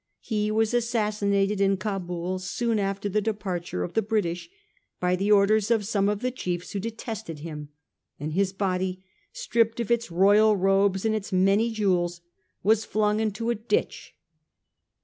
He was assassinated in Cabul, soon after the departure of the British, by the orders of some of the chiefs who detested him ; and his body, stripped of its royal robes and its many jewels, was flung into a VOL. i. s 258 A HISTORY OF OUR OWN TIMES. cn. xl ditch..